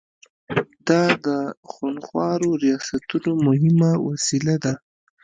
دا د خونخوارو ریاستونو مهمه وسیله ده.